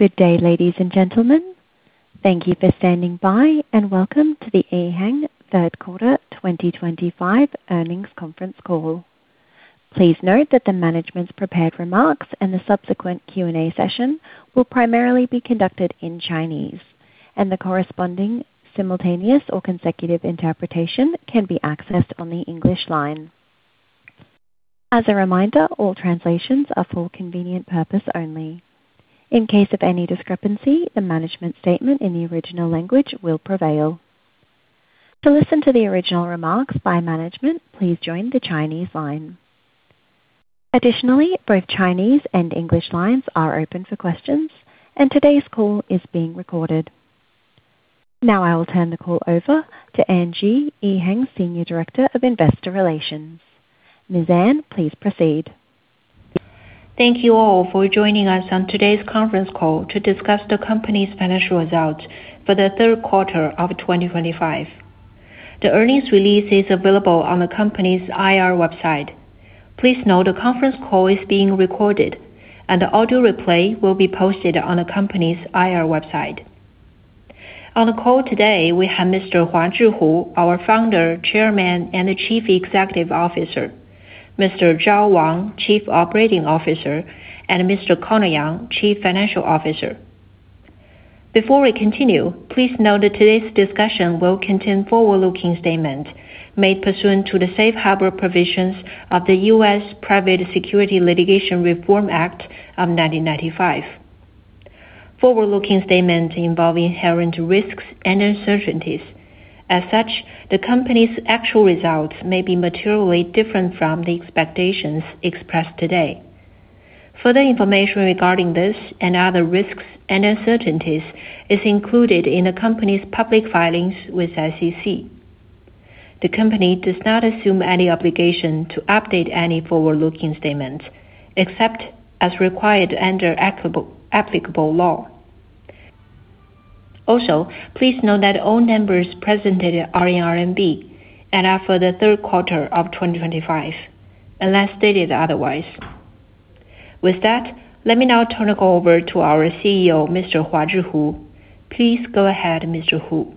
Good day, ladies and gentlemen. Thank you for standing by, and welcome to the EHang Q3 2025 Earnings conference call. Please note that the management's prepared remarks and the subsequent Q&A session will primarily be conducted in Chinese, and the corresponding simultaneous or consecutive interpretation can be accessed on the English line. As a reminder, all translations are for convenient purpose only. In case of any discrepancy, the management statement in the original language will prevail. To listen to the original remarks by management, please join the Chinese line. Additionally, both Chinese and English lines are open for questions, and today's call is being recorded. Now I will turn the call over to Anne Ji, EHang's Senior Director of Investor Relations. Ms. Anne, please proceed. Thank you all for joining us on today's conference call to discuss the company's financial results for the Q3 of 2025. The earnings release is available on the company's IR website. Please note the conference call is being recorded, and the audio replay will be posted on the company's IR website. On the call today, we have Mr. Huazhi Hu, our founder, chairman, and the Chief Executive Officer; Mr. Zhao Wang, Chief Operating Officer; and Mr. Conor Yang, Chief Financial Officer. Before we continue, please note that today's discussion will contain forward-looking statements made pursuant to the safe harbor provisions of the U.S. Private Securities Litigation Reform Act of 1995. Forward-looking statements involve inherent risks and uncertainties. As such, the company's actual results may be materially different from the expectations expressed today. Further information regarding this and other risks and uncertainties is included in the company's public filings with the SEC. The company does not assume any obligation to update any forward-looking statements, except as required under applicable law. Also, please note that all numbers presented are in RMB and are for Q3 of 2025, unless stated otherwise. With that, let me now turn it over to our CEO, Mr. Huazhi Hu. Please go ahead, Mr. Hu.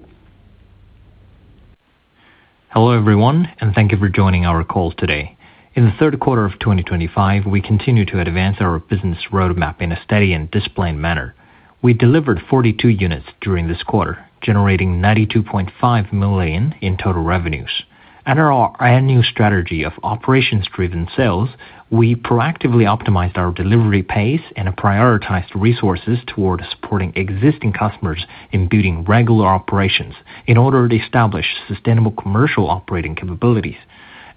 Hello everyone, and thank you for joining our call today. In Q3 of 2025, we continue to advance our business roadmap in a steady and disciplined manner. We delivered 42 units during this quarter, generating 92.5 million in total revenues. Under our annual strategy of operations-driven sales, we proactively optimized our delivery pace and prioritized resources toward supporting existing customers in building regular operations in order to establish sustainable commercial operating capabilities.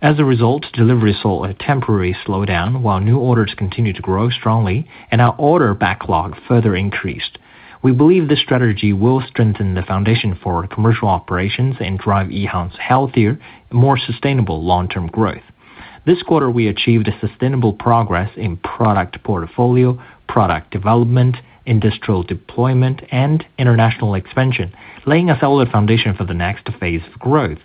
As a result, deliveries saw a temporary slowdown, while new orders continued to grow strongly and our order backlog further increased. We believe this strategy will strengthen the foundation for commercial operations and drive EHang's healthier, more sustainable long-term growth. This quarter, we achieved sustainable progress in product portfolio, product development, industrial deployment, and international expansion, laying a solid foundation for the next phase of growth.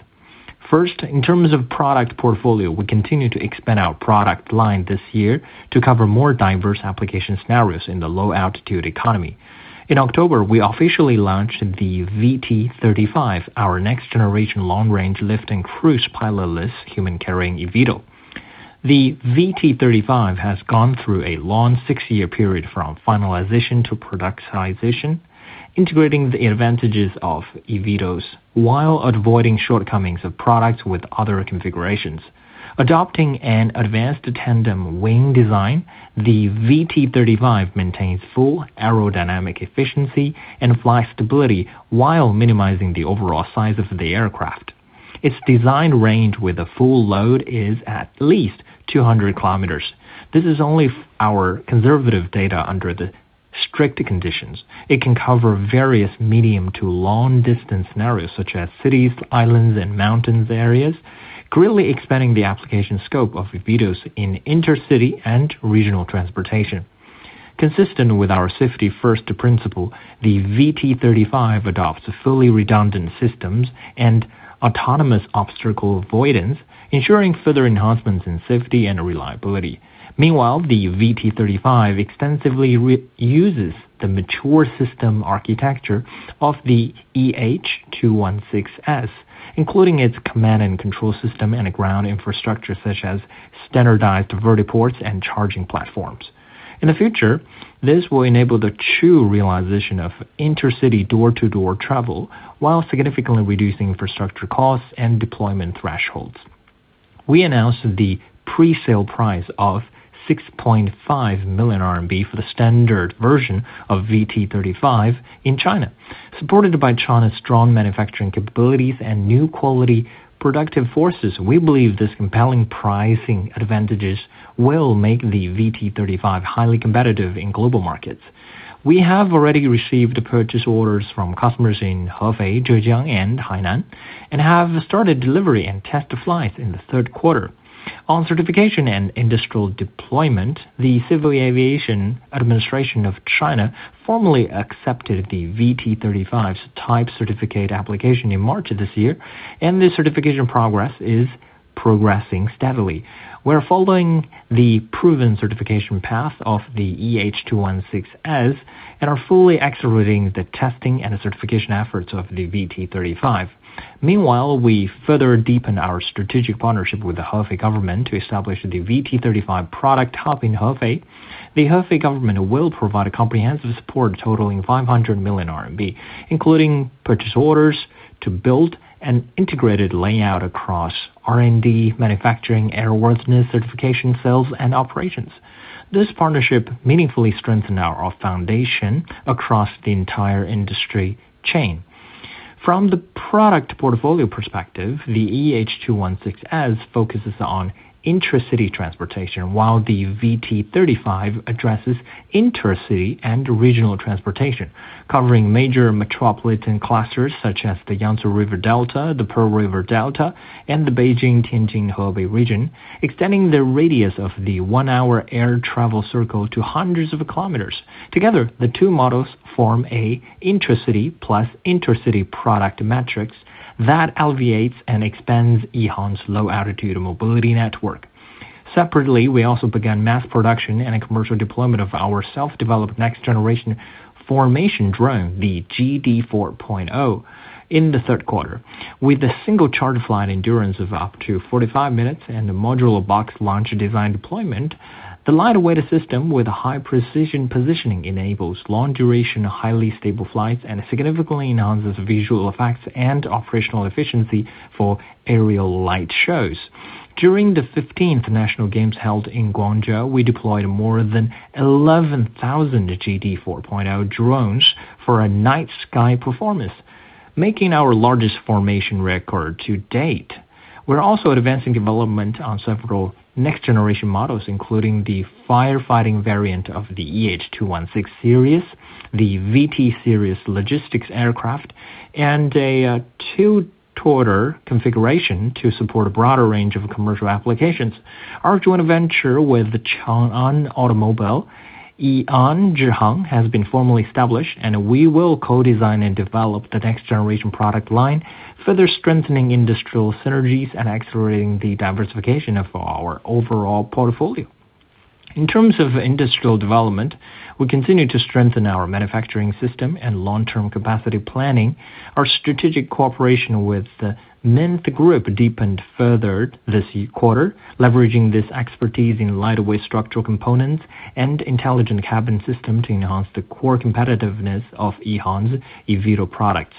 First, in terms of product portfolio, we continue to expand our product line this year to cover more diverse application scenarios in the low-altitude economy. In October, we officially launched the VT35, our next-generation long-range lift and cruise pilotless human-carrying eVTOL. The VT35 has gone through a long six-year period from finalization to productization, integrating the advantages of eVTOLs while avoiding shortcomings of products with other configurations. Adopting an advanced tandem wing design, the VT35 maintains full aerodynamic efficiency and flight stability while minimizing the overall size of the aircraft. Its design range with a full load is at least 200 km. This is only our conservative data under the strict conditions. It can cover various medium to long-distance scenarios such as cities, islands, and mountain areas, greatly expanding the application scope of eVTOLs in intercity and regional transportation. Consistent with our safety-first principle, the VT35 adopts fully redundant systems and autonomous obstacle avoidance, ensuring further enhancements in safety and reliability. Meanwhile, the VT35 extensively uses the mature system architecture of the EH216S, including its command and control system and ground infrastructure such as standardized vertiports and charging platforms. In the future, this will enable the true realization of intercity door-to-door travel while significantly reducing infrastructure costs and deployment thresholds. We announced the pre-sale price of 6.5 million RMB for the standard version of VT35 in China. Supported by China's strong manufacturing capabilities and new quality productive forces, we believe this compelling pricing advantages will make the VT35 highly competitive in global markets. We have already received purchase orders from customers in Hefei, Zhejiang, and Hainan, and have started delivery and test flights in Q3. On certification and industrial deployment, the Civil Aviation Administration of China formally accepted the VT35's type certificate application in March this year, and the certification progress is progressing steadily. We're following the proven certification path of the EH216S and are fully accelerating the testing and certification efforts of the VT35. Meanwhile, we further deepen our strategic partnership with the Hefei government to establish the VT35 product hub in Hefei. The Hefei government will provide comprehensive support totaling 500 million RMB, including purchase orders to build an integrated layout across R&D, manufacturing, airworthiness certification, sales, and operations. This partnership meaningfully strengthens our foundation across the entire industry chain. From the product portfolio perspective, the EH216S focuses on intercity transportation, while the VT35 addresses intercity and regional transportation, covering major metropolitan clusters such as the Yangtze River Delta, the Pearl River Delta, and the Beijing-Tianjin-Hebei region, extending the radius of the one-hour air travel circle to hundreds of kilometers. Together, the two models form an intercity plus intercity product matrix that alleviates and expands EHang's low-altitude mobility network. Separately, we also began mass production and commercial deployment of our self-developed next-generation formation drone, the GD4.0, in Q3. With a single charge flight endurance of up to 45 minutes and modular box launch design deployment, the lightweight system with high precision positioning enables long-duration, highly stable flights and significantly enhances visual effects and operational efficiency for aerial light shows. During the 15th National Games held in Guangzhou, we deployed more than 11,000 GD4.0 drones for a night sky performance, making our largest formation record to date. We're also advancing development on several next-generation models, including the firefighting variant of the EH216 series, the VT series logistics aircraft, and a two-rotor configuration to support a broader range of commercial applications. Our joint venture with Chang'an Automobile EHang Jihang has been formally established, and we will co-design and develop the next-generation product line, further strengthening industrial synergies and accelerating the diversification of our overall portfolio. In terms of industrial development, we continue to strengthen our manufacturing system and long-term capacity planning. Our strategic cooperation with the Mint Group deepened further this quarter, leveraging this expertise in lightweight structural components and intelligent cabin system to enhance the core competitiveness of EHang's eVTOL products.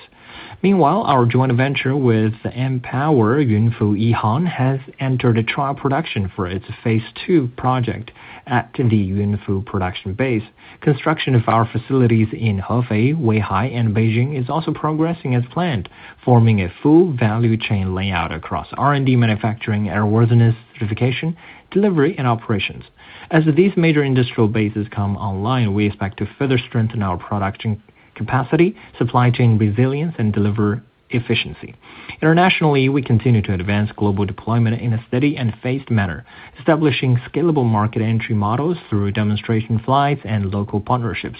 Meanwhile, our joint venture with Empower Yunfu EHang has entered trial production for its phase two project at the Yunfu production base. Construction of our facilities in Hefei, Weihai, and Beijing is also progressing as planned, forming a full value chain layout across R&D, manufacturing, airworthiness certification, delivery, and operations. As these major industrial bases come online, we expect to further strengthen our production capacity, supply chain resilience, and delivery efficiency. Internationally, we continue to advance global deployment in a steady and phased manner, establishing scalable market entry models through demonstration flights and local partnerships.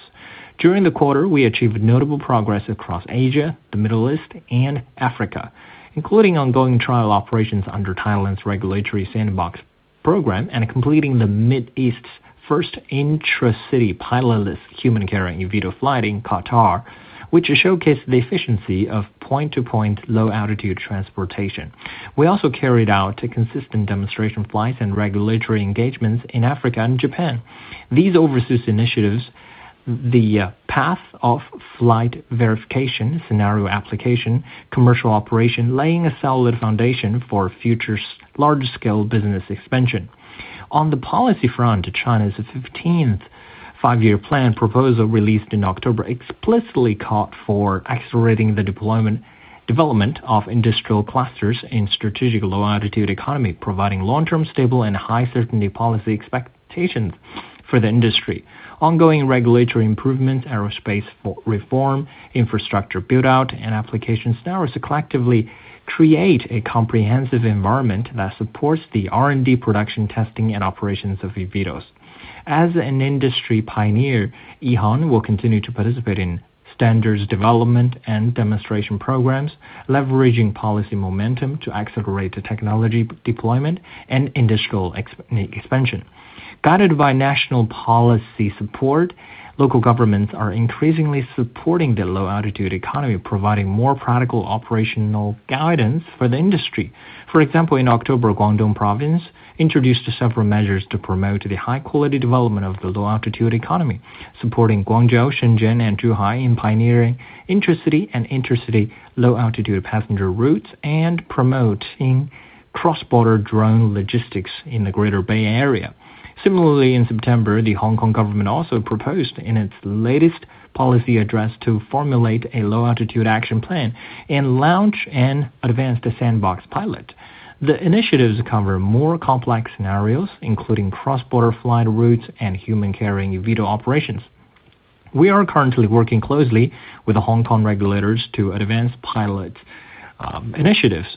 During the quarter, we achieved notable progress across Asia, the Middle East, and Africa, including ongoing trial operations under Thailand's regulatory sandbox program and completing the Mideast's first intra-city pilotless human-carrying eVTOL flight in Qatar, which showcased the efficiency of point-to-point low-altitude transportation. We also carried out consistent demonstration flights and regulatory engagements in Africa and Japan. These overseas initiatives, the path of flight verification, scenario application, commercial operation, laying a solid foundation for future large-scale business expansion. On the policy front, China's 15th five-year plan proposal released in October explicitly called for accelerating the development of industrial clusters in strategic low-altitude economy, providing long-term, stable, and high-certainty policy expectations for the industry. Ongoing regulatory improvements, aerospace reform, infrastructure build-out, and application scenarios collectively create a comprehensive environment that supports the R&D, production, testing, and operations of eVTOLs. As an industry pioneer, EHang will continue to participate in standards development and demonstration programs, leveraging policy momentum to accelerate technology deployment and industrial expansion. Guided by national policy support, local governments are increasingly supporting the low-altitude economy, providing more practical operational guidance for the industry. For example, in October, Guangdong Province introduced several measures to promote the high-quality development of the low-altitude economy, supporting Guangzhou, Shenzhen, and Zhuhai in pioneering intra-city and intercity low-altitude passenger routes and promoting cross-border drone logistics in the Greater Bay Area. Similarly, in September, the Hong Kong government also proposed in its latest policy address to formulate a low-altitude action plan and launch an advanced sandbox pilot. The initiatives cover more complex scenarios, including cross-border flight routes and human-carrying eVTOL operations. We are currently working closely with Hong Kong regulators to advance pilot initiatives.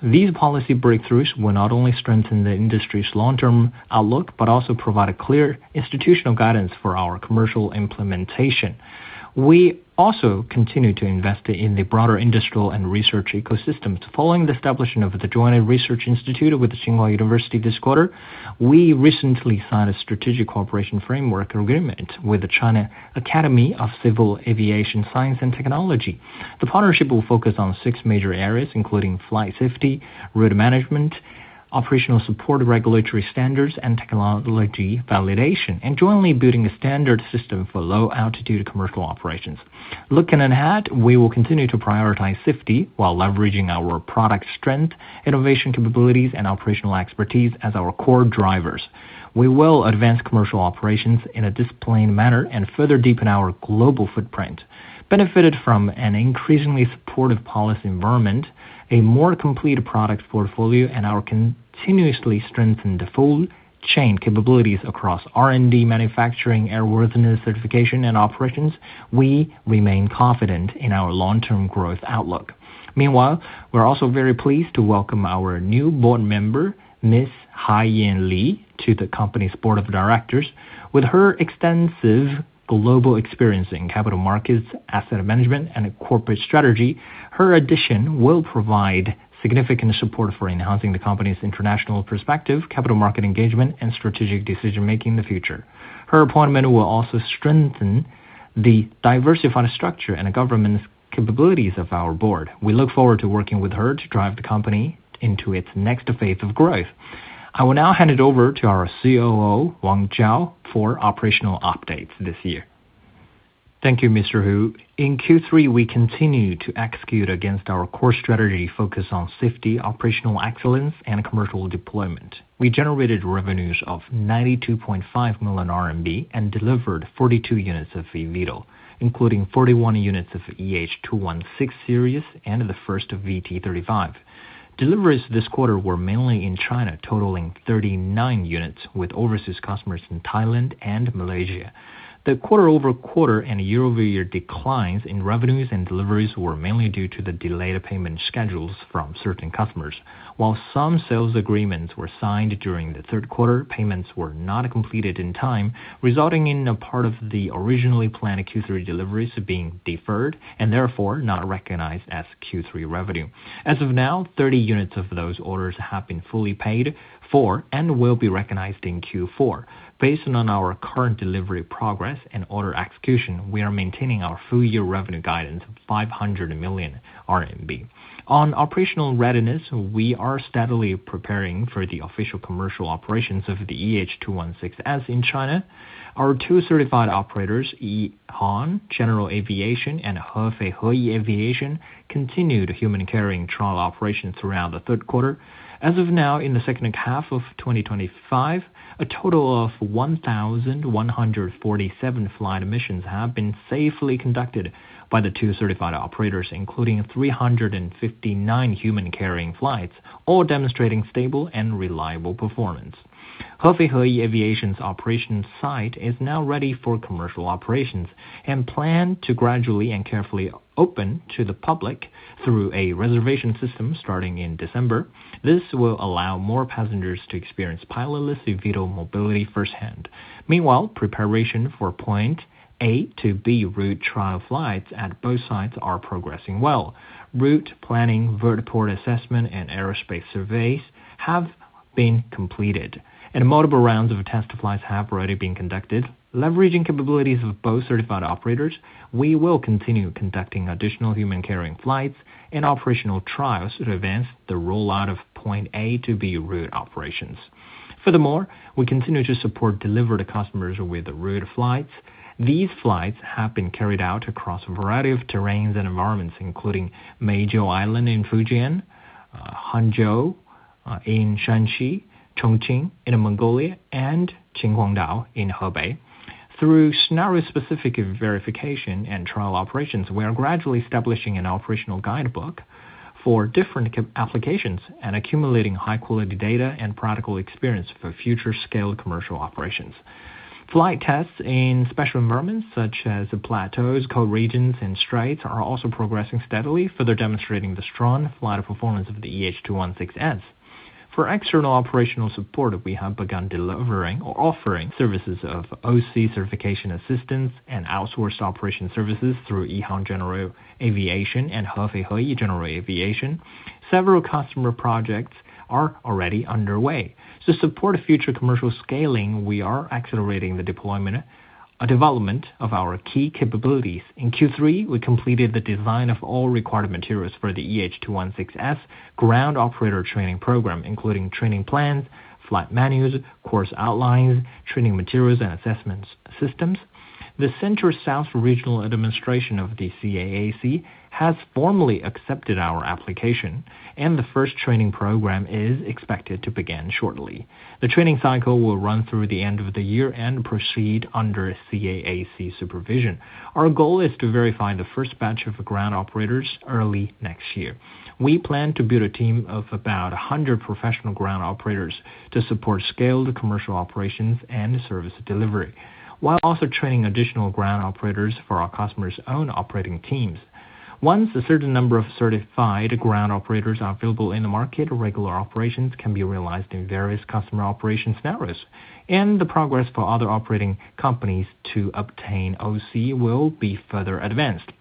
These policy breakthroughs will not only strengthen the industry's long-term outlook but also provide clear institutional guidance for our commercial implementation. We also continue to invest in the broader industrial and research ecosystems. Following the establishment of the Joint Research Institute with Tsinghua University this quarter, we recently signed a strategic cooperation framework agreement with the China Academy of Civil Aviation Science and Technology. The partnership will focus on six major areas, including flight safety, route management, operational support, regulatory standards, and technology validation, and jointly building a standard system for low-altitude commercial operations. Looking ahead, we will continue to prioritize safety while leveraging our product strength, innovation capabilities, and operational expertise as our core drivers. We will advance commercial operations in a disciplined manner and further deepen our global footprint. Benefited from an increasingly supportive policy environment, a more complete product portfolio, and our continuously strengthened full-chain capabilities across R&D, manufacturing, airworthiness certification, and operations, we remain confident in our long-term growth outlook. Meanwhile, we're also very pleased to welcome our new board member Ms. Hai Ying Li, to the company's board of directors. With her extensive global experience in capital markets, asset management, and corporate strategy, her addition will provide significant support for enhancing the company's international perspective, capital market engagement, and strategic decision-making in the future. Her appointment will also strengthen the diversified structure and governance capabilities of our board. We look forward to working with her to drive the company into its next phase of growth. I will now hand it over to our Chief Operating Officer, Zhao Wang, for operational updates this year. Thank you, Mr. Hu. In Q3, we continued to execute against our core strategy, focused on safety, operational excellence, and commercial deployment. We generated revenues of 92.5 million RMB and delivered 42 units of eVTOL, including 41 units of EH216 series and the first VT35. Deliveries this quarter were mainly in China, totaling 39 units, with overseas customers in Thailand and Malaysia. The Q2 and year-over-year declines in revenues and deliveries were mainly due to the delayed payment schedules from certain customers. While some sales agreements were signed during Q3, payments were not completed in time, resulting in part of the originally planned Q3 deliveries being deferred and therefore not recognized as Q3 revenue. As of now, 30 units of those orders have been fully paid for and will be recognized in Q4. Based on our current delivery progress and order execution, we are maintaining our full-year revenue guidance of 500 million RMB. On operational readiness, we are steadily preparing for the official commercial operations of the EH216S in China. Our two certified operators, EHang General Aviation and Hefei Heyi Aviation, continued human-carrying trial operations throughout Q3. As of now, in Q2 of 2025, a total of 1,147 flight missions have been safely conducted by the two certified operators, including 359 human-carrying flights, all demonstrating stable and reliable performance. Hefei Heyi Aviation's operations site is now ready for commercial operations and planned to gradually and carefully open to the public through a reservation system starting in December. This will allow more passengers to experience pilotless eVTOL mobility firsthand. Meanwhile, preparation for point A to B route trial flights at both sites is progressing well. Route planning, vertiport assessment, and aerospace surveys have been completed, and multiple rounds of test flights have already been conducted. Leveraging capabilities of both certified operators, we will continue conducting additional human-carrying flights and operational trials to advance the rollout of point A to B route operations. Furthermore, we continue to support delivered customers with route flights. These flights have been carried out across a variety of terrains and environments, including Meizhou Island in Fujian, Hangzhou in Zhejiang, Chongqing Municipality, and Qinhuangdao in Hebei. Through scenario-specific verification and trial operations, we are gradually establishing an operational guidebook for different applications and accumulating high-quality data and practical experience for future-scale commercial operations. Flight tests in special environments, such as plateaus, coal regions, and straits, are also progressing steadily, further demonstrating the strong flight performance of the EH216S. For external operational support, we have begun delivering or offering services of OC certification assistance and outsourced operation services through EHang General Aviation and Hefei Heyi Aviation. Several customer projects are already underway. To support future commercial scaling, we are accelerating the deployment and development of our key capabilities. In Q3, we completed the design of all required materials for the EH216S ground operator training program, including training plans, flight manuals, course outlines, training materials, and assessment systems. The Central-South Regional Administration of the CAAC has formally accepted our application, and the first training program is expected to begin shortly. The training cycle will run through the end of the year and proceed under CAAC supervision. Our goal is to verify the first batch of ground operators early next year. We plan to build a team of about 100 professional ground operators to support scaled commercial operations and service delivery, while also training additional ground operators for our customers' own operating teams. Once a certain number of certified ground operators are available in the market, regular operations can be realized in various customer operation scenarios, and the progress for other operating companies to obtain OC will be further advanced.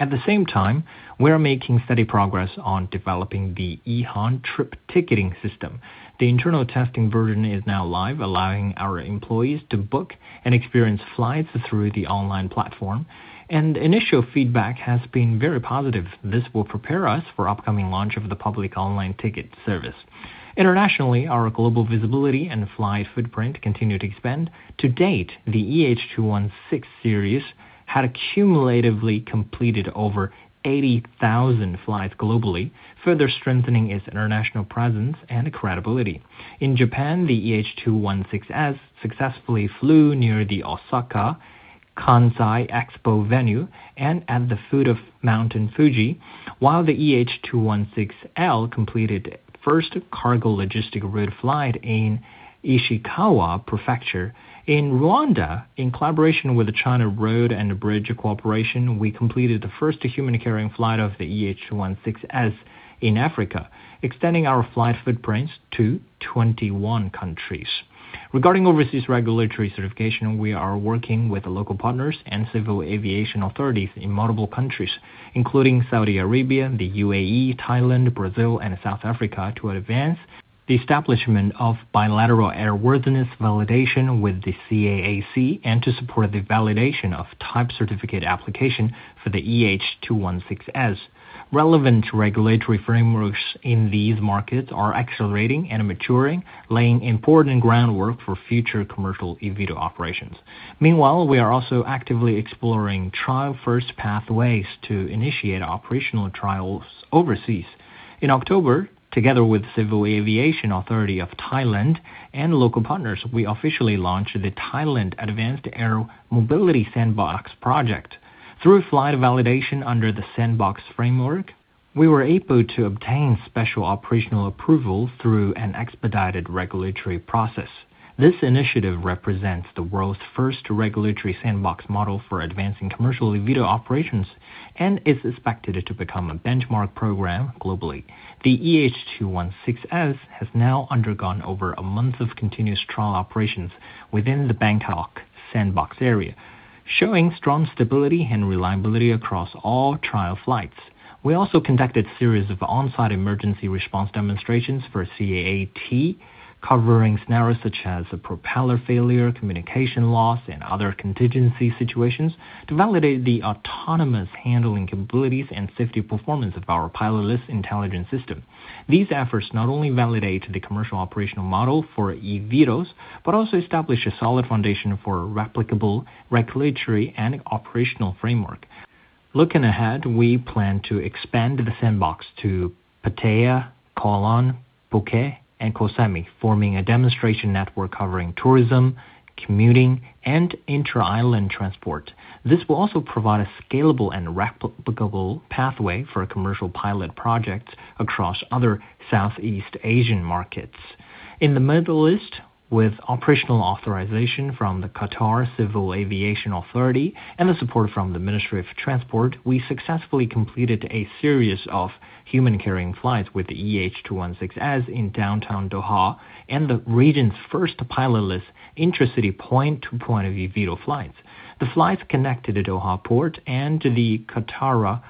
At the same time, we are making steady progress on developing the EHang trip ticketing system. The internal testing version is now live, allowing our employees to book and experience flights through the online platform, and initial feedback has been very positive. This will prepare us for upcoming launch of the public online ticket service. Internationally, our global visibility and flight footprint continue to expand. To date, the EH216 series had accumulatively completed over 80,000 flights globally, further strengthening its international presence and credibility. In Japan, the EH216S successfully flew near the Osaka Kansai Expo venue and at the foot of Mount Fuji, while the EH216L completed its first cargo logistic route flight in Ishikawa Prefecture and Rwanda. In collaboration with the China Road and Bridge Corporation, we completed the first human-carrying flight of the EH216S in Africa, extending our flight footprints to 21 countries. Regarding overseas regulatory certification, we are working with local partners and civil aviation authorities in multiple countries, including Saudi Arabia, the UAE, Thailand, Brazil, and South Africa, to advance the establishment of bilateral airworthiness validation with the CAAC and to support the validation of type certificate application for the EH216S. Relevant regulatory frameworks in these markets are accelerating and maturing, laying important groundwork for future commercial eVTOL operations. Meanwhile, we are also actively exploring trial-first pathways to initiate operational trials overseas. In October, together with the Civil Aviation Authority of Thailand and local partners, we officially launched the Thailand Advanced Air Mobility Sandbox project. Through flight validation under the sandbox framework, we were able to obtain special operational approvals through an expedited regulatory process. This initiative represents the world's first regulatory sandbox model for advancing commercial eVTOL operations and is expected to become a benchmark program globally. The EH216S has now undergone over a month of continuous trial operations within the Bangkok Sandbox area, showing strong stability and reliability across all trial flights. We also conducted a series of on-site emergency response demonstrations for CAAT covering scenarios such as propeller failure, communication loss, and other contingency situations to validate the autonomous handling capabilities and safety performance of our pilotless intelligence system. These efforts not only validate the commercial operational model for eVTOLs but also establish a solid foundation for a replicable regulatory and operational framework. Looking ahead, we plan to expand the sandbox to Pattaya, Koh Lan, Phuket, and Koh Samui, forming a demonstration network covering tourism, commuting, and intra-island transport. This will also provide a scalable and replicable pathway for commercial pilot projects across other Southeast Asian markets. In the Middle East, with operational authorization from the Qatar Civil Aviation Authority and the support from the Ministry of Transport, we successfully completed a series of human-carrying flights with the EH216S in downtown Doha and the region's first pilotless intra-city point-to-point eVTOL flights. The flights connected Doha Port and the Qatari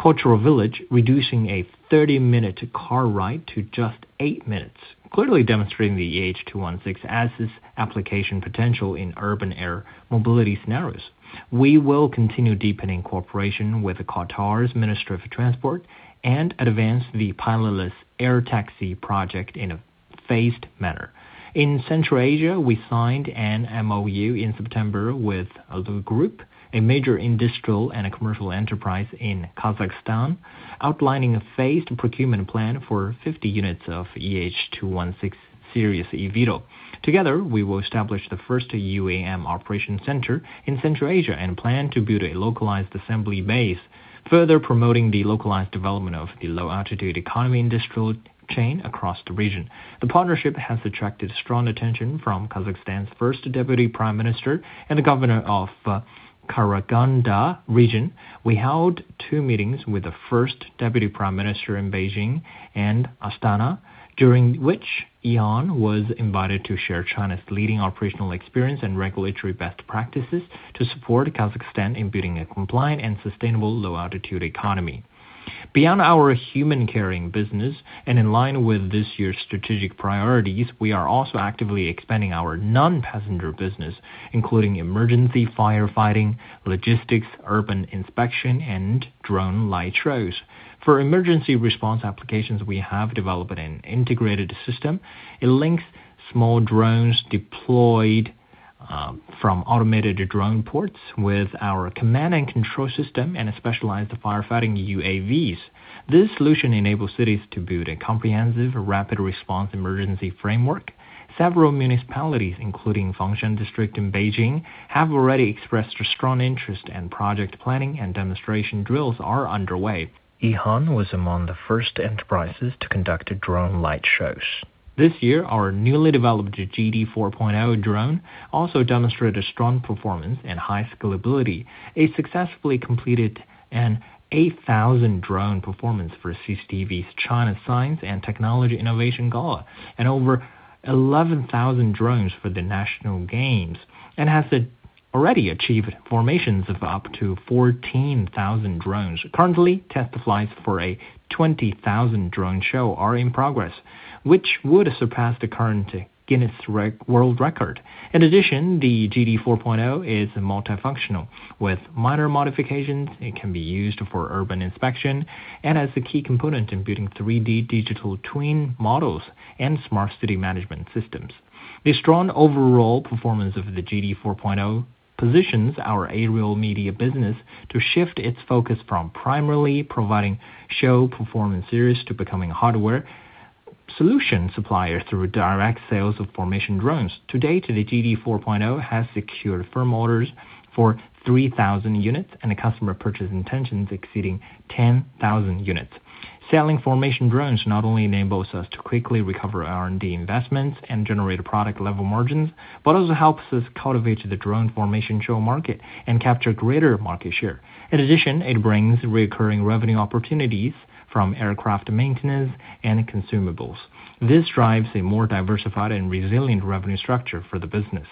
cultural village, reducing a 30-minute car ride to just 8 minutes, clearly demonstrating the EH216S's application potential in urban air mobility scenarios. We will continue deepening cooperation with Qatar's Ministry of Transport and advance the pilotless air taxi project in a phased manner. In Central Asia, we signed an MOU in September with Allur Group, a major industrial and commercial enterprise in Kazakhstan, outlining a phased procurement plan for 50 units of EH216 series eVTOL. Together, we will establish the first UAM operations center in Central Asia and plan to build a localized assembly base, further promoting the localized development of the low-altitude economy industrial chain across the region. The partnership has attracted strong attention from Kazakhstan's First Deputy Prime Minister and the Governor of Karaganda Region. We held two meetings with the First Deputy Prime Minister in Beijing and Astana, during which EHang was invited to share China's leading operational experience and regulatory best practices to support Kazakhstan in building a compliant and sustainable low-altitude economy. Beyond our human-carrying business, and in line with this year's strategic priorities, we are also actively expanding our non-passenger business, including emergency firefighting, logistics, urban inspection, and drone light shows. For emergency response applications, we have developed an integrated system. It links small drones deployed from automated drone ports with our command and control system and specialized firefighting UAVs. This solution enables cities to build a comprehensive, rapid-response emergency framework. Several municipalities, including Fengshan District in Beijing, have already expressed strong interest, and project planning and demonstration drills are underway. EHang was among the first enterprises to conduct drone light shows. This year, our newly developed GD4.0 drone also demonstrated strong performance and high scalability. It successfully completed an 8,000-drone performance for CCTV's China Science and Technology Innovation Gala, and over 11,000 drones for the National Games, and has already achieved formations of up to 14,000 drones. Currently, test flights for a 20,000-drone show are in progress, which would surpass the current Guinness World Record. In addition, the GD4.0 is multifunctional. With minor modifications, it can be used for urban inspection and as a key component in building 3D digital twin models and smart city management systems. The strong overall performance of the GD4.0 positions our aerial media business to shift its focus from primarily providing show performance series to becoming hardware solution suppliers through direct sales of formation drones. To date, the GD4.0 has secured firm orders for 3,000 units and customer purchase intentions exceeding 10,000 units. Selling formation drones not only enables us to quickly recover R&D investments and generate product-level margins but also helps us cultivate the drone formation show market and capture greater market share. In addition, it brings recurring revenue opportunities from aircraft maintenance and consumables. This drives a more diversified and resilient revenue structure for the business.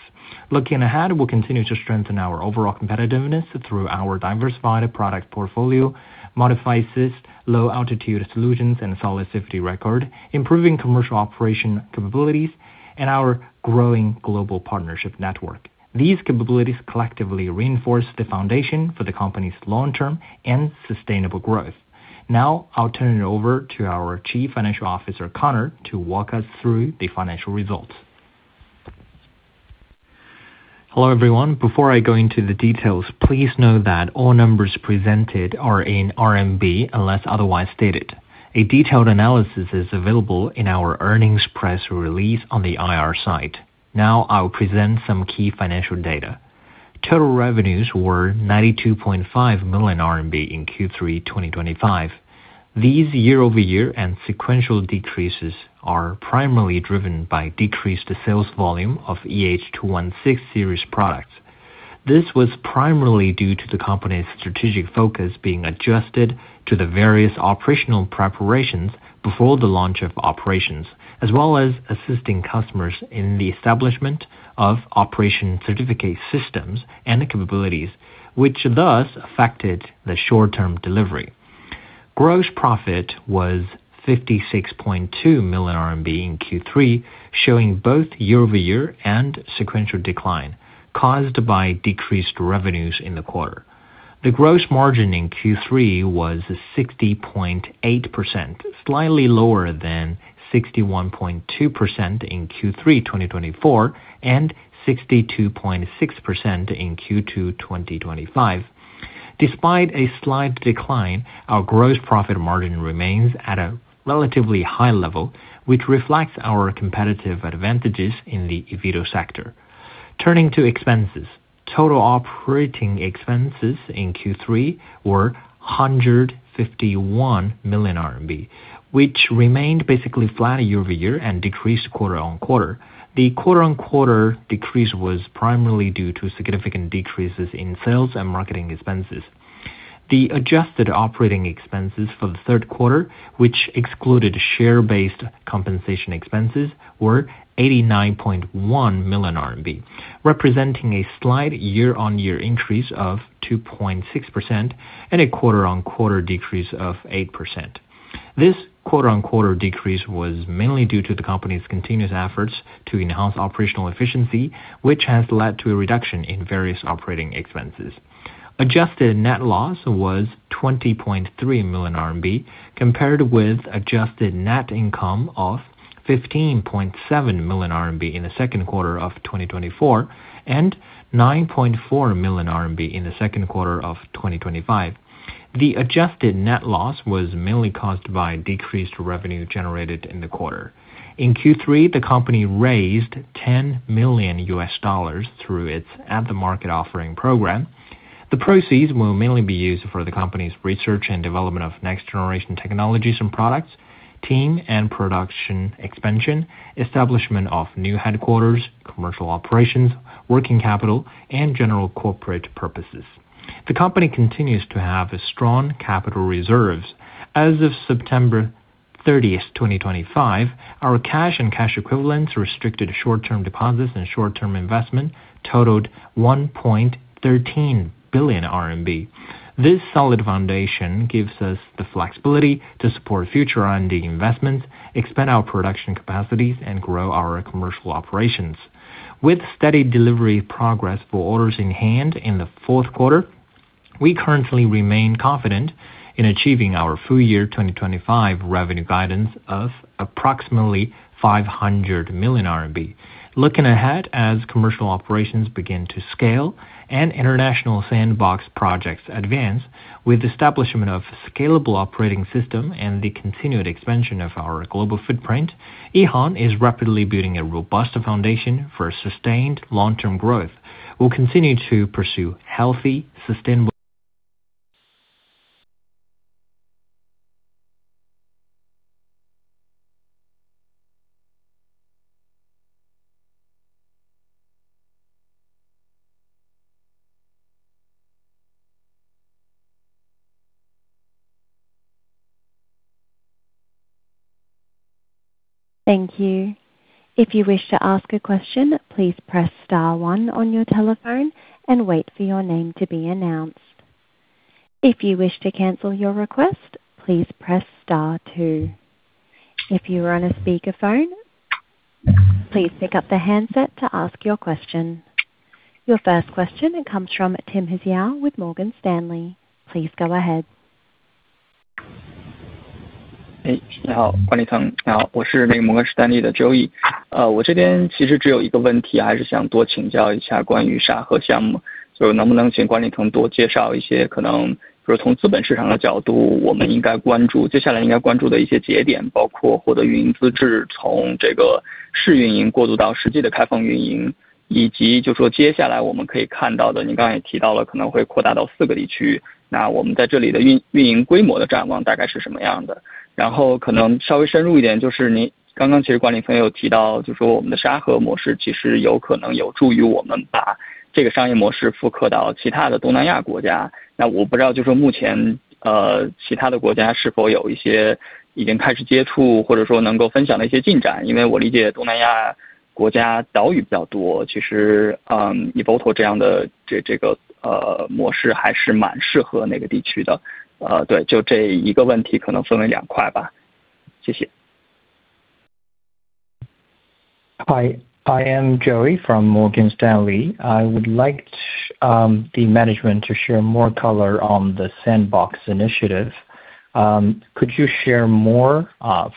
Looking ahead, we will continue to strengthen our overall competitiveness through our diversified product portfolio, modified systems, low-altitude solutions, and solid safety record, improving commercial operation capabilities, and our growing global partnership network. These capabilities collectively reinforce the foundation for the company's long-term and sustainable growth. Now, I will turn it over to our Chief Financial Officer, Conor, to walk us through the financial results. Hello everyone. Before I go into the details, please know that all numbers presented are in RMB unless otherwise stated. A detailed analysis is available in our earnings press release on the IR site. Now, I will present some key financial data. Total revenues were 92.5 million RMB in Q3 2025. These year-over-year and sequential decreases are primarily driven by decreased sales volume of EH216 series products. This was primarily due to the company's strategic focus being adjusted to the various operational preparations before the launch of operations, as well as assisting customers in the establishment of operation certificate systems and capabilities, which thus affected the short-term delivery. Gross profit was 56.2 million RMB in Q3, showing both year-over-year and sequential decline caused by decreased revenues in the quarter. The gross margin in Q3 was 60.8%, slightly lower than 61.2% in Q3 2024 and 62.6% in Q2 2025. Despite a slight decline, our gross profit margin remains at a relatively high level, which reflects our competitive advantages in the eVTOL sector. Turning to expenses, total operating expenses in Q3 were 151 million RMB, which remained basically flat year-over-year and decreased quarter on quarter. The quarter-on-quarter decrease was primarily due to significant decreases in sales and marketing expenses. The adjusted operating expenses for the third quarter, which excluded share-based compensation expenses, were 89.1 million RMB, representing a slight year-on-year increase of 2.6% and a quarter-on-quarter decrease of 8%. This quarter-on-quarter decrease was mainly due to the company's continuous efforts to enhance operational efficiency, which has led to a reduction in various operating expenses. Adjusted net loss was 20.3 million RMB, compared with adjusted net income of 15.7 million RMB in the second quarter of 2024 and 9.4 million RMB in the second quarter of 2025. The adjusted net loss was mainly caused by decreased revenue generated in the quarter. In Q3, the company raised $10 million through its at-the-market offering program. The proceeds will mainly be used for the company's research and development of next-generation technologies and products, team and production expansion, establishment of new headquarters, commercial operations, working capital, and general corporate purposes. The company continues to have strong capital reserves. As of September 30, 2025, our cash and cash equivalents, restricted short-term deposits, and short-term investment totaled 1.13 billion RMB. This solid foundation gives us the flexibility to support future R&D investments, expand our production capacities, and grow our commercial operations. With steady delivery progress for orders in hand in the fourth quarter, we currently remain confident in achieving our full-year 2025 revenue guidance of approximately 500 million RMB. Looking ahead, as commercial operations begin to scale and international sandbox projects advance with the establishment of a scalable operating system and the continued expansion of our global footprint, EHang is rapidly building a robust foundation for sustained long-term growth. We'll continue to pursue healthy, sustainable. Thank you. If you wish to ask a question, please press star one on your telephone and wait for your name to be announced. If you wish to cancel your request, please press star two. If you are on a speakerphone, please pick up the handset to ask your question. Your first question comes from Tim Hsiao with Morgan Stanley. Please go ahead. Hi, I am Joey from Morgan Stanley. I would like the management to share more color on the sandbox initiative. Could you share more,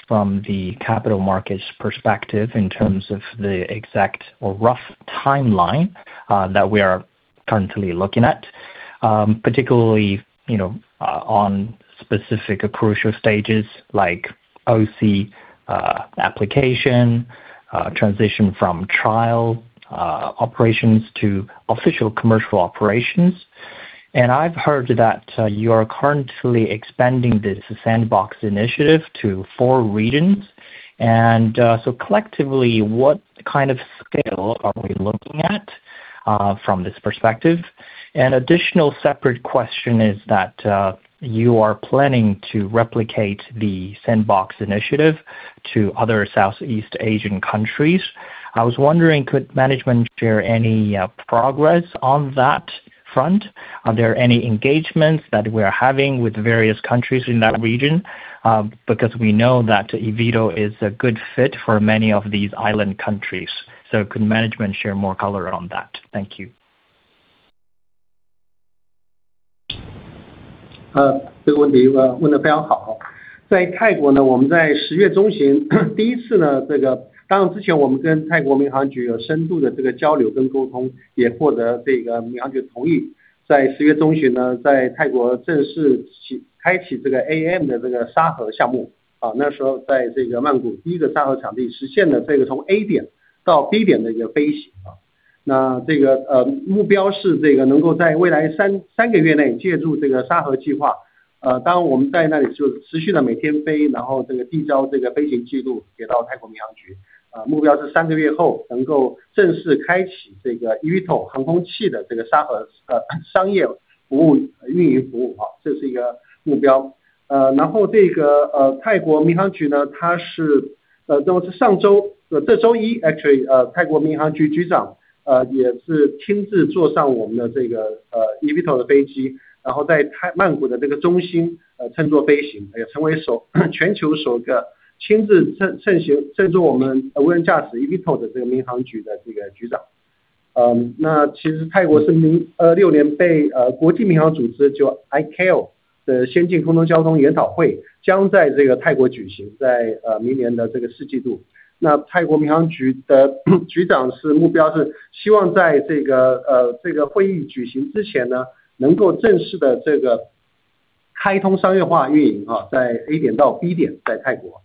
from the capital markets perspective in terms of the exact or rough timeline, that we are currently looking at, particularly, you know, on specific crucial stages like OC application, transition from trial operations to official commercial operations? I have heard that you are currently expanding this sandbox initiative to four regions. Collectively, what kind of scale are we looking at from this perspective? An additional separate question is that you are planning to replicate the sandbox initiative to other Southeast Asian countries. I was wondering, could management share any progress on that front? Are there any engagements that we are having with various countries in that region? Because we know that eVTOL is a good fit for many of these island countries. So could management share more color on that? Thank you. 这是一个目标。然后这个，泰国民航局呢，他是，那么是上周，这周一，Actually，泰国民航局局长，也是亲自坐上我们的这个eVTOL的飞机，然后在泰曼谷的这个中心，乘坐飞行，也成为全球首个亲自乘坐我们无人驾驶eVTOL的这个民航局的局长。那其实泰国是明年被国际民航组织，就ICAO的先进空中交通研讨会，将在这个泰国举行在明年的这个四季度。那泰国民航局的局长是目标是希望在这个会议举行之前呢，能够正式的这个开通商业化运营。在A点到B点在泰国。今天其实有一个访谈，我们也刚也是发布在这个视频上，你们可以在YouTube，Twitter上看到，就是，我们在泰国的运营方的这运营商，就是AA-AERO的创始人，那也是银行最大的这个机构投资人呢，跟泰国民航局局长的一个访谈。那这个访谈有特别提到就是说在明年年底之前呢，能够开展20个沙河区的商业化常态化飞行，那当然就可以对外收费。那这个潜在的市场是明年年底能够有100台216的交付在泰国，这是一个目标。那当然以整个泰国的这个潜力，这么多的观光岛，还有这个，交通的这个需求来讲，未来泰国的整体的这个市场规模跟潜力有望达到这个千架以上。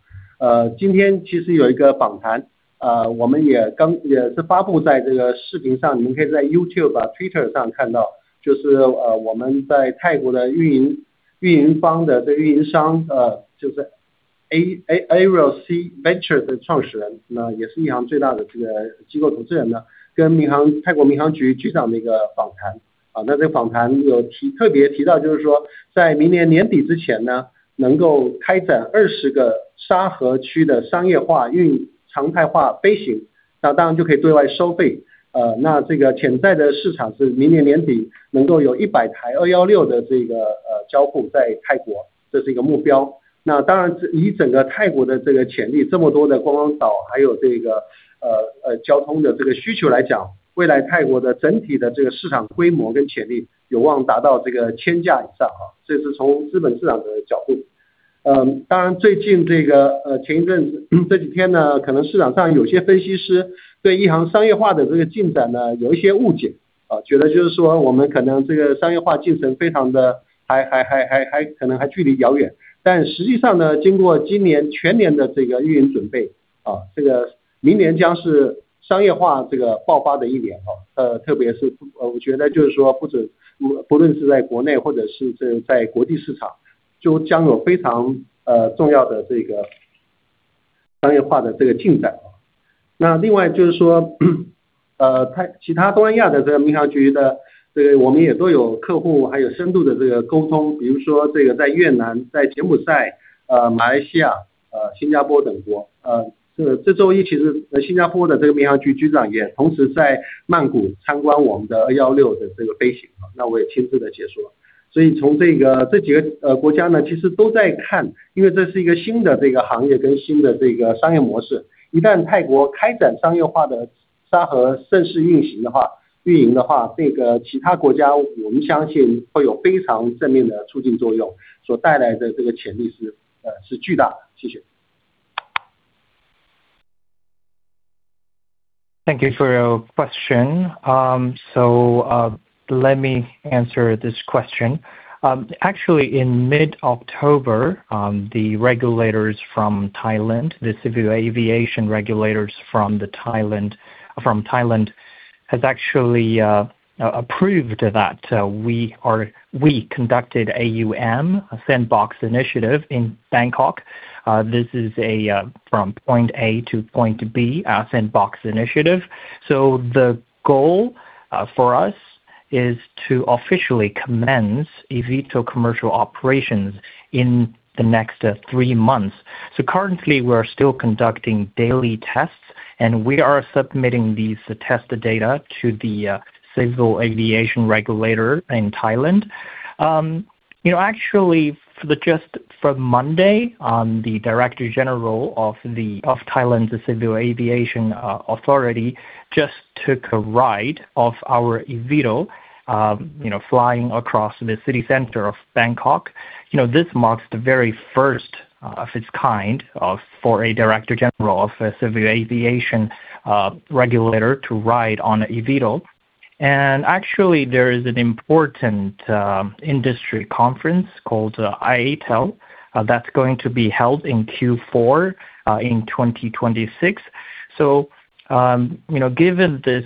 Thank you for your question. Let me answer this question. Actually in mid-October, the regulators from Thailand, the civil aviation regulators from Thailand, have actually approved that we conducted a sandbox initiative in Bangkok. This is a from point A to point B sandbox initiative. The goal for us is to officially commence eVTOL commercial operations in the next three months. Currently we are still conducting daily tests and we are submitting these test data to the civil aviation regulator in Thailand. You know, actually for the just from Monday, the Director General of Thailand's Civil Aviation Authority just took a ride of our eVTOL, you know, flying across the city center of Bangkok. You know, this marks the very first of its kind for a Director General of a civil aviation regulator to ride on eVTOL. Actually, there is an important industry conference called ICAO that's going to be held in Q4 in 2026. You know, given this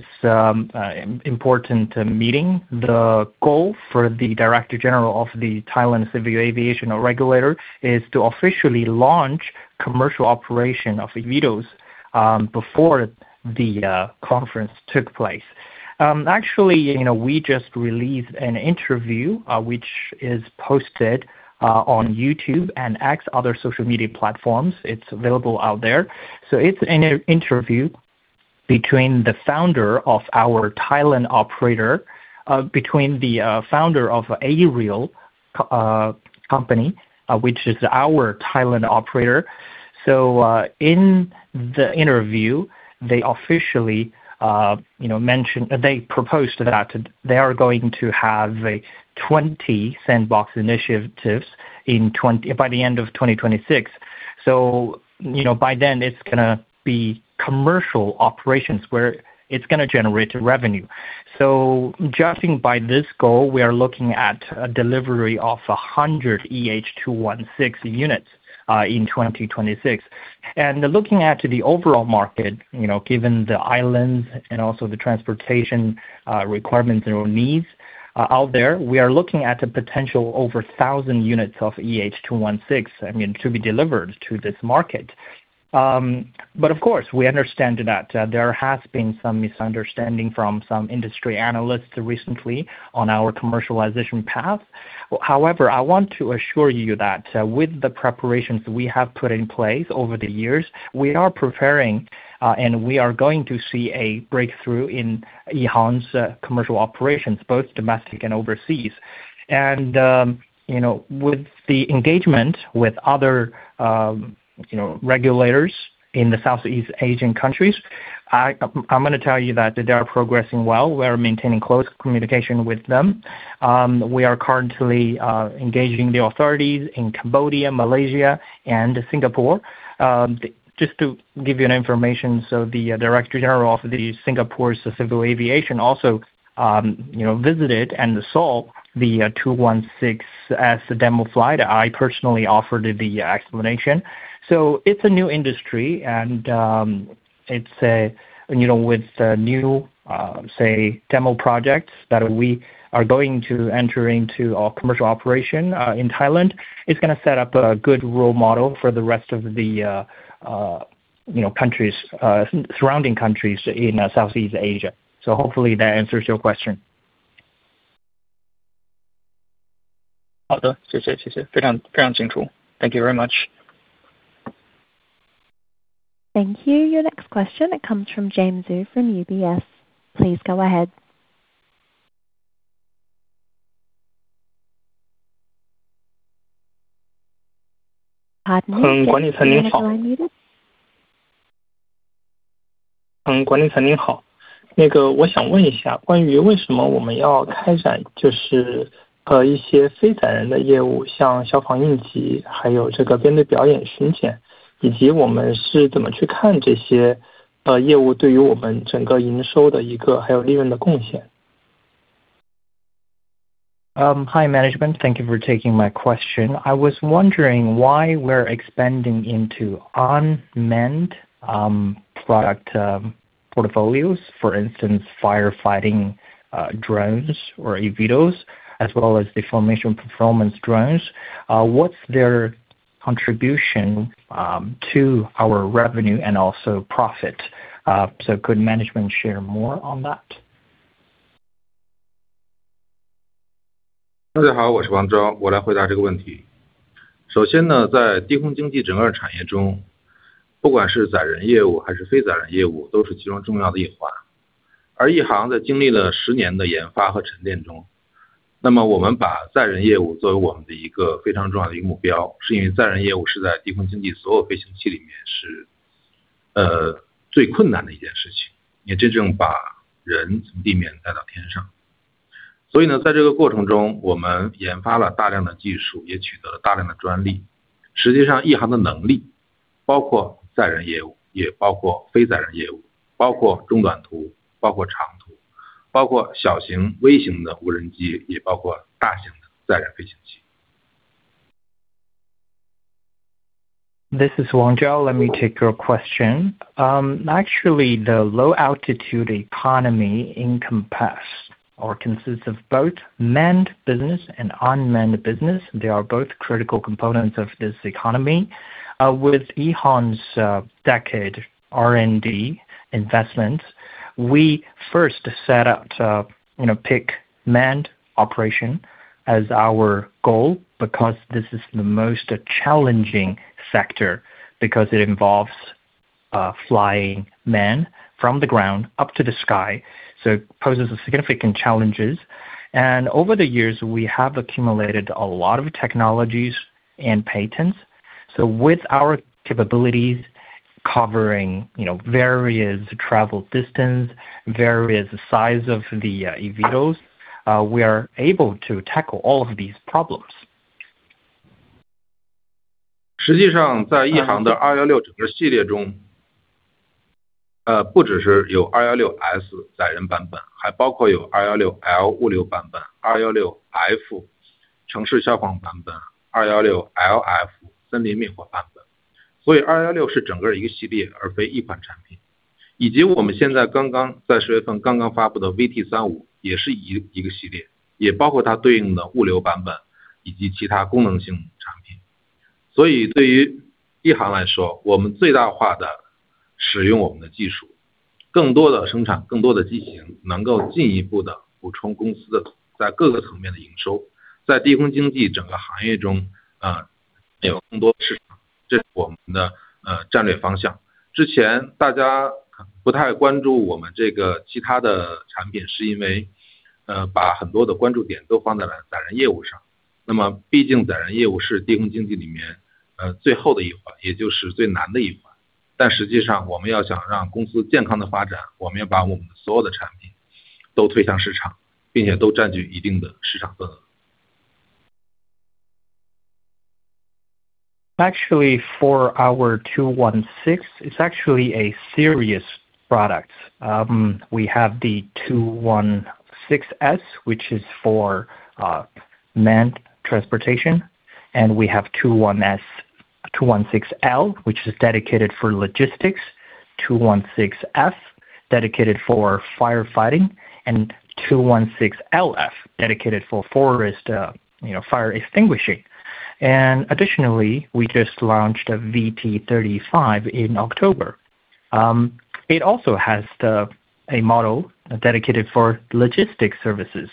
important meeting, the goal for the Director General of the Thailand Civil Aviation Regulator is to officially launch commercial operation of eVTOLs before the conference took place. Actually, you know, we just released an interview, which is posted on YouTube and X, other social media platforms. It's available out there. It is an interview between the founder of our Thailand operator, between the founder of AA-Aero Company, which is our Thailand operator. In the interview, they officially, you know, mentioned they proposed that they are going to have 20 sandbox initiatives in 20 by the end of 2026. You know, by then it is gonna be commercial operations where it is gonna generate revenue. Judging by this goal, we are looking at a delivery of 100 EH216 units in 2026. Looking at the overall market, you know, given the islands and also the transportation requirements and needs out there, we are looking at a potential over 1,000 units of EH216, I mean, to be delivered to this market. Of course we understand that there has been some misunderstanding from some industry analysts recently on our commercialization path. However, I want to assure you that with the preparations we have put in place over the years, we are preparing, and we are going to see a breakthrough in EHang's commercial operations, both domestic and overseas. You know, with the engagement with other, you know, regulators in the Southeast Asian countries, I am gonna tell you that they are progressing well. We are maintaining close communication with them. We are currently engaging the authorities in Cambodia, Malaysia, and Singapore. Just to give you an information, the Director General of Singapore's Civil Aviation also, you know, visited and saw the 216S demo flight. I personally offered the explanation. It is a new industry and, you know, with the new, say, demo projects that we are going to enter into our commercial operation in Thailand, it is gonna set up a good role model for the rest of the, you know, countries, surrounding countries in Southeast Asia. Hopefully that answers your question. 好的，谢谢，谢谢，非常非常清楚。Thank you very much. Thank you. Your next question, it comes from James Zhu from UBS. Please go ahead. Pardon me? 嗯，管理层您好。嗯，管理层您好。那个我想问一下，关于为什么我们要开展就是，一些非载人的业务，像消防应急，还有这个编队表演巡检，以及我们是怎么去看这些，业务对于我们整个营收的一个还有利润的贡献。Hi management, thank you for taking my question. I was wondering why we're expanding into unmanned, product, portfolios, for instance, firefighting, drones or eVTOLs, as well as the formation performance drones. What's their contribution to our revenue and also profit? Could management share more on that? This is Wang Zhao, let me take your question. Actually the low altitude economy encompasses or consists of both manned business and unmanned business. They are both critical components of this economy. With EHang's decade R&D investments, we first set out to, you know, pick manned operation as our goal because this is the most challenging sector, because it involves flying men from the ground up to the sky. It poses significant challenges. Over the years, we have accumulated a lot of technologies and patents. With our capabilities covering, you know, various travel distances, various sizes of the eVTOLs, we are able to tackle all of these problems. Actually for our 216, it's actually a series product. We have the 216S, which is for manned transportation, and we have 216L, which is dedicated for logistics, 216F dedicated for firefighting, and 216LF dedicated for forest, you know, fire extinguishing. Additionally, we just launched a VT35 in October. It also has a model dedicated for logistics services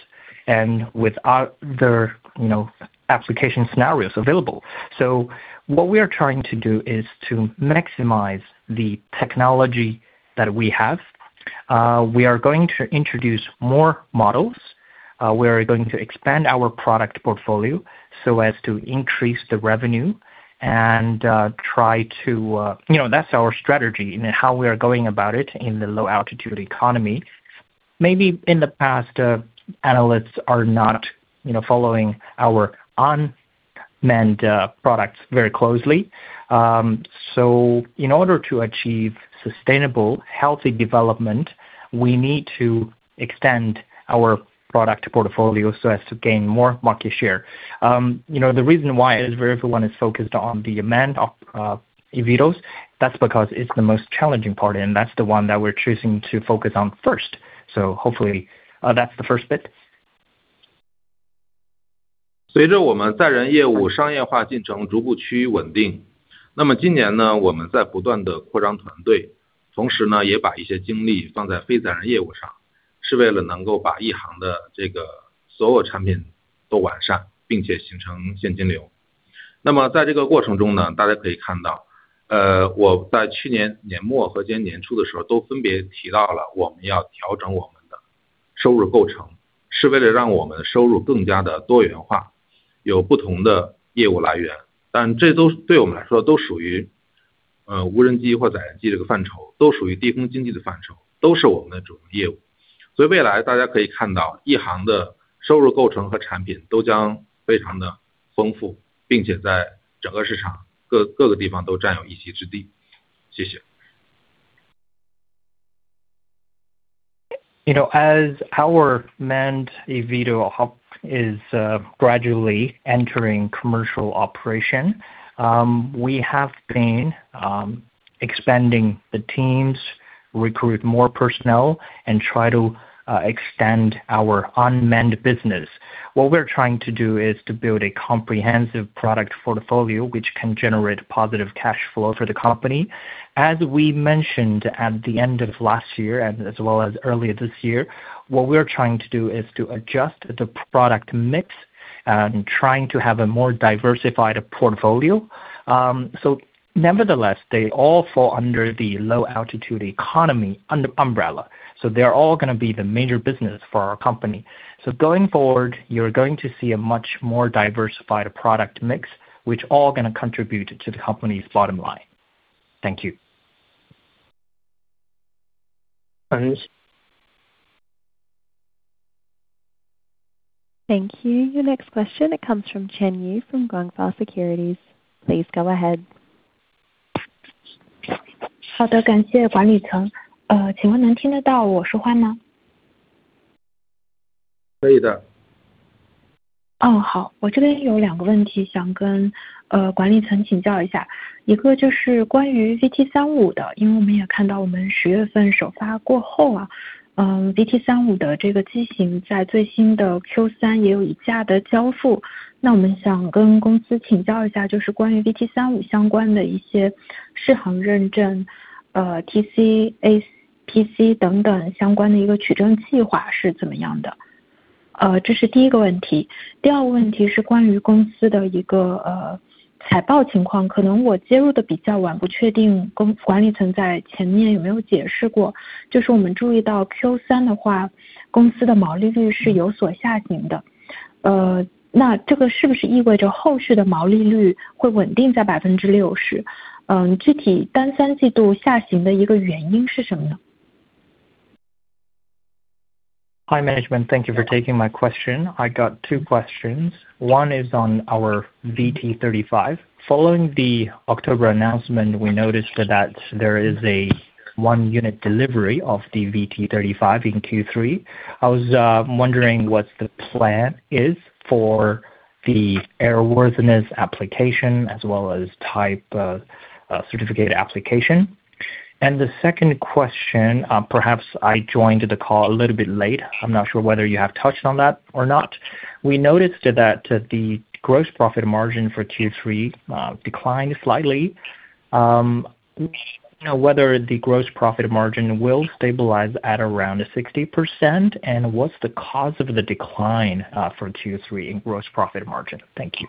and with other, you know, application scenarios available. What we are trying to do is to maximize the technology that we have. We are going to introduce more models. We are going to expand our product portfolio so as to increase the revenue and, try to, you know, that's our strategy and how we are going about it in the low-altitude economy. Maybe in the past, analysts are not, you know, following our unmanned products very closely. In order to achieve sustainable, healthy development, we need to extend our product portfolio so as to gain more market share. You know, the reason why is where everyone is focused on the amount of eVTOLs, that's because it's the most challenging part, and that's the one that we're choosing to focus on first. Hopefully, that's the first bit. You know, as our manned eVTOL hub is gradually entering commercial operation, we have been expanding the teams, recruit more personnel, and try to extend our unmanned business. What we're trying to do is to build a comprehensive product portfolio, which can generate positive cash flow for the company. As we mentioned at the end of last year and as well as earlier this year, what we're trying to do is to adjust the product mix and trying to have a more diversified portfolio. Nevertheless, they all fall under the low-altitude economy umbrella. They're all gonna be the major business for our company. Going forward, you're going to see a much more diversified product mix, which all gonna contribute to the company's bottom line. Thank you. 好的。Thank you. Your next question, it comes from Chen Yu from Guangfa Securities. Please go ahead. 好的，感谢管理层。请问能听得到我说话吗？ 可以的。哦，好，我这边有两个问题想跟管理层请教一下。一个就是关于 VT35 的，因为我们也看到我们 10 月份首发过后，VT35 的这个机型在最新的 Q3 也有一架的交付。那我们想跟公司请教一下，就是关于 VT35 相关的一些试航认证 Hi management, thank you for taking my question. I got two questions. One is on our VT35. Following the October announcement, we noticed that there is a one-unit delivery of the VT35 in Q3. I was wondering what the plan is for the airworthiness application as well as type certificate application. The second question, perhaps I joined the call a little bit late. I'm not sure whether you have touched on that or not. We noticed that the gross profit margin for Q3 declined slightly. You know, whether the gross profit margin will stabilize at around 60% and what's the cause of the decline, for Q3 in gross profit margin. Thank you.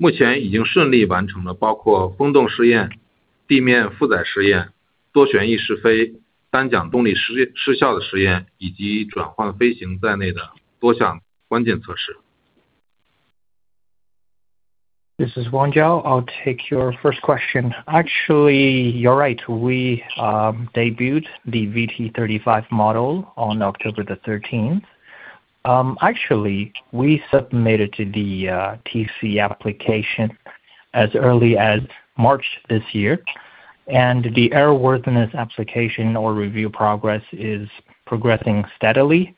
This is Wang Jiao. I'll take your first question. Actually, you're right. We debuted the VT35 model on October the 13th. Actually, we submitted the TC application as early as March this year, and the airworthiness application or review progress is progressing steadily.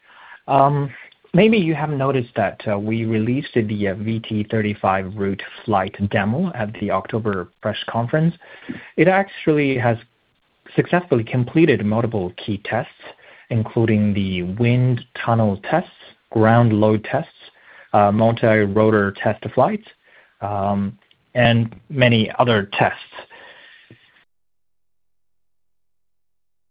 Maybe you have noticed that we released the VT35 route flight demo at the October press conference. It actually has successfully completed multiple key tests, including the wind tunnel tests, ground load tests, multi-rotor test flights, and many other tests.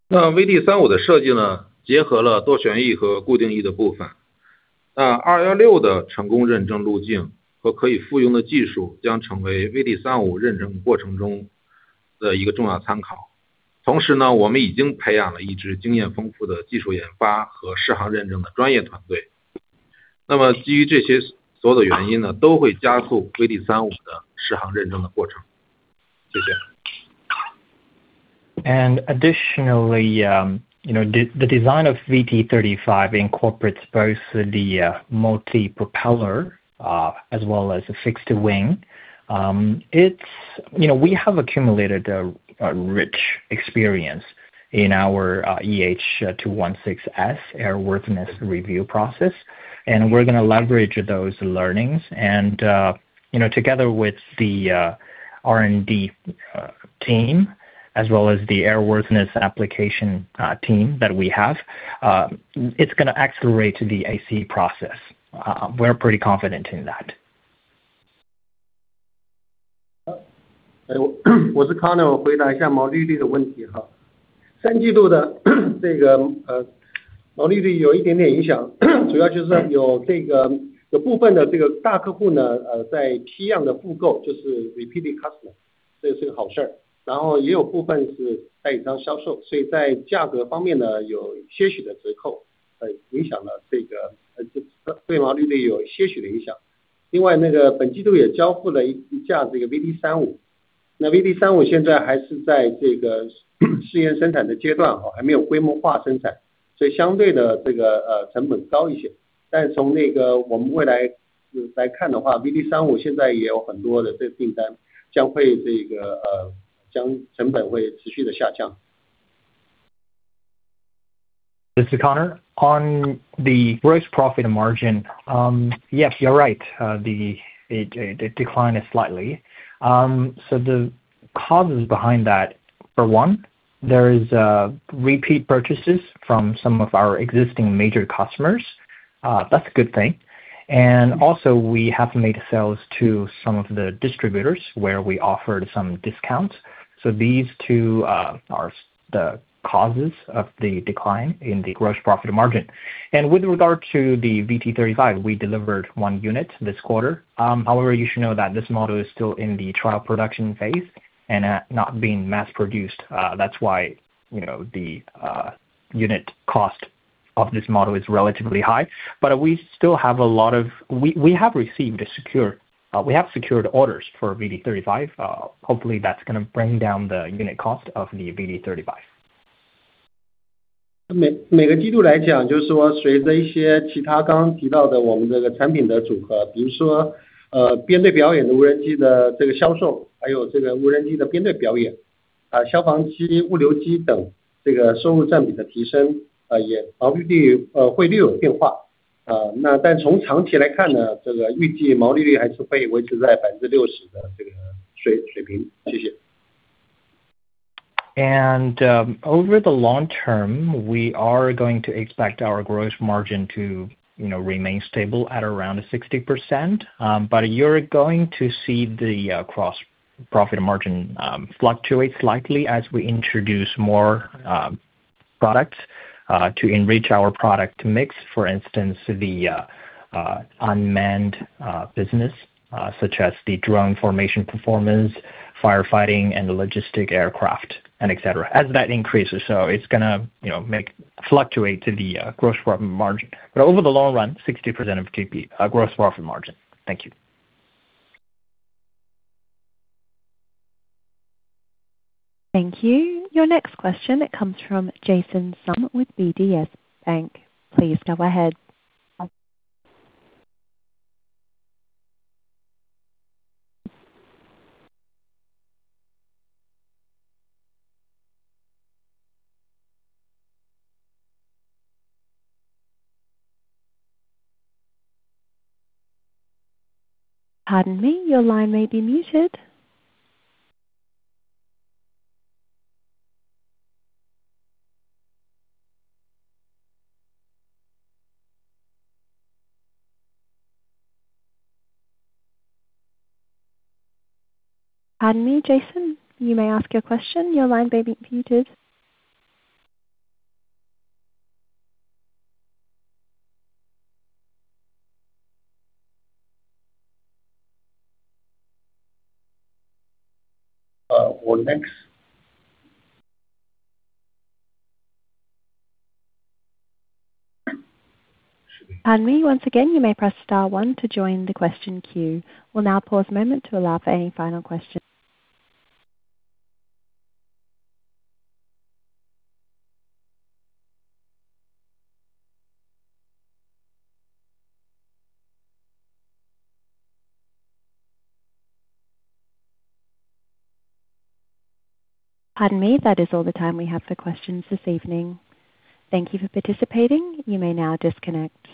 那VT35的设计呢，结合了多旋翼和固定翼的部分。那216的成功认证路径和可以复用的技术，将成为VT35认证过程中的一个重要参考。同时呢，我们已经培养了一支经验丰富的技术研发和试航认证的专业团队。那么基于这些所有的原因呢，都将加速VT35的试航认证的过程。谢谢。Additionally, you know, the design of VT35 incorporates both the multi-propeller, as well as a fixed wing. It's, you know, we have accumulated a rich experience in our EH216S airworthiness review process, and we're gonna leverage those learnings. And, you know, together with the R&D team as well as the airworthiness application team that we have, it's gonna accelerate the AC process. We're pretty confident in that. 我只看到回答一下毛利率的问题哈。三季度的这个，毛利率有一点点影响，主要就是有这个，有部分的这个大客户呢，在批量的复购，就是 repeated customer，这是个好事。然后也有部分是在一张销售，所以在价格方面呢，有些许的折扣，影响了这个，对毛利率有些许的影响。另外那个本季度也交付了一架这个 VT35，那 VT35 现在还是在这个试验生产的阶段，还没有规模化生产，所以相对的这个，成本高一些。但是从那个我们未来来看的话，VT35 现在也有很多的这个订单，将会这个，将成本会持续的下降。This is Connor. On the gross profit margin, yes, you're right, the decline is slightly. The causes behind that, for one, there is repeat purchases from some of our existing major customers. That's a good thing. Also, we have made sales to some of the distributors where we offered some discounts. These two are the causes of the decline in the gross profit margin. With regard to the VT35, we delivered one unit this quarter. However, you should know that this model is still in the trial production phase and not being mass produced. That's why, you know, the unit cost of this model is relatively high. We still have a lot of, we have secured orders for VT35. Hopefully that's gonna bring down the unit cost of the VT35. 每每个季度来讲，就是说随着一些其他刚刚提到的我们这个产品的组合，比如说，编队表演的无人机的这个销售，还有这个无人机的编队表演，消防机、物流机等这个收入占比的提升，也毛利率，汇率有变化。但从长期来看呢，这个预计毛利率还是会维持在60%的这个水水平。谢谢。Over the long term, we are going to expect our gross margin to, you know, remain stable at around 60%. You're going to see the gross profit margin fluctuate slightly as we introduce more products to enrich our product mix. For instance, the unmanned business, such as the drone formation performance, firefighting, and the logistic aircraft, and et cetera, as that increases. It's gonna, you know, make fluctuate to the gross profit margin. Over the long run, 60% of GP, gross profit margin. Thank you. Thank you. Your next question, it comes from Jason Sum with DBS Bank. Please go ahead. Pardon me, your line may be muted. Pardon me, Jason, you may ask your question. Your line may be muted. What next? Pardon me, once again, you may press star one to join the question queue. We will now pause a moment to allow for any final questions. Pardon me, that is all the time we have for questions this evening. Thank you for participating. You may now disconnect.